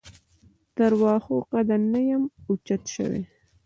تر واښو قده نه یم اوچت شوی.